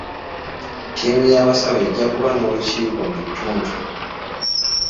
Ttiimu y'abasawo ejja kuba n'olukiiko mu ttuntu.